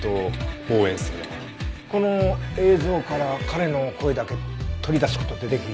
この映像から彼の声だけ取り出す事ってできる？